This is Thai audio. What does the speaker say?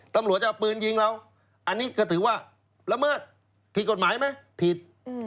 ตำรวจจะเอาปืนยิงเราอันนี้ก็ถือว่าละเมิดผิดกฎหมายไหมผิด